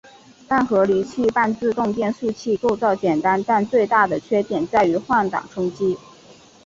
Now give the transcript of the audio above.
单离合器半自动变速器构造简单但最大的缺点在于换挡冲击。